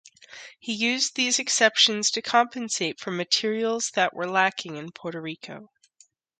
He used these exceptions to compensate for materials that were lacking in Puerto Rico.